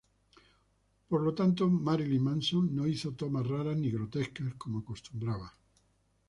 Por lo tanto, Marilyn Manson no hizo tomas raras ni grotescas, como acostumbraba.